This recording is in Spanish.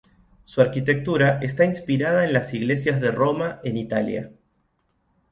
Su arquitectura está inspirada en las iglesias de Roma en Italia.